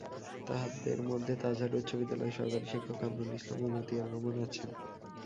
তাঁদের মধ্যে তাজহাট উচ্চবিদ্যালয়ের সহকারী শিক্ষক কামরুল ইসলাম ও মতিয়ার রহমান আছেন।